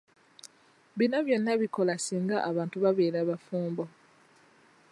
Bino byonna bikola singa abantu babeera bafumbo.